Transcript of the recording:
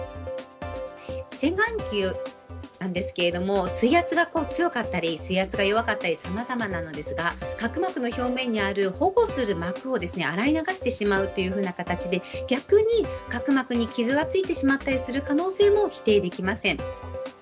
洗眼器なんですけれども、水圧が強かったり水圧が弱かったりさまざまなのですが、角膜の表面にある保護する膜を洗い流してしまうっていうふうな形で、逆に角膜に傷が付いてしまったりする可能性も否定できません。